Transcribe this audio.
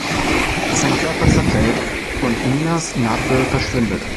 Sein Körper zerfällt, und Minas Narbe verschwindet.